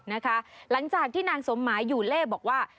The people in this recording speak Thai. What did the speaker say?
หลังจากที่นางสมหมายอยู่เล่บอกว่า